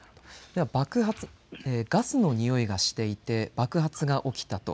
爆発、ガスの臭いがしていて爆発が起きたと。